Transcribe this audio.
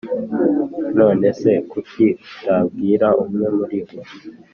None se kuki utabwira umwe muri bo?